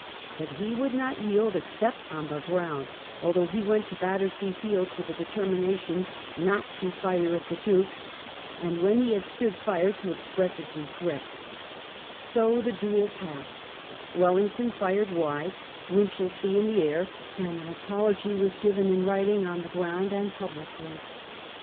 But he would not yield except on the ground, although he went to Battersea Fields with a determination not to fire at the Duke, and when he had stood fire to express his regret So the duel passed; Wellington fired wide, Winchelsea in the air,^ and an apology was given in writing, on the ground and publicly.